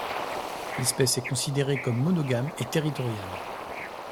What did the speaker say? L’espèce est considérée comme monogame et territoriale.